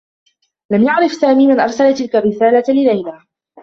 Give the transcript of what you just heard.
لم يعرف سامي من أرسل تلك الرّسالة ليلى.